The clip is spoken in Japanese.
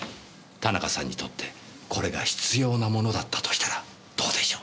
田中さんにとってこれが必要な物だったとしたらどうでしょう？